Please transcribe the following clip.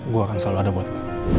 gue akan selalu ada buatmu